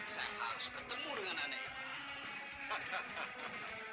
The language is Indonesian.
saya harus ketemu dengan anak itu